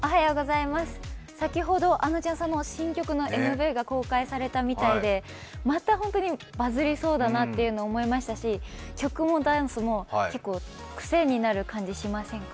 先ほど、あのちゃんさんの新曲のＭＶが公開されたみたいでまた本当にバズりそうだなと思いましたし、曲もダンスも結構クセになる感じがしませんか？